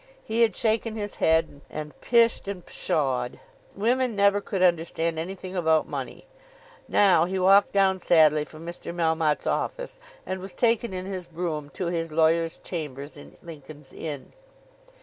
He had shaken his head and pished and pshawed. Women never could understand anything about money. Now he walked down sadly from Mr. Melmotte's office and was taken in his brougham to his lawyer's chambers in Lincoln's Inn.